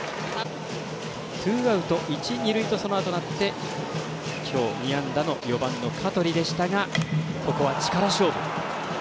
ツーアウト、一、二塁とそのあとなって今日、２安打の４番の香取でしたがここは力勝負。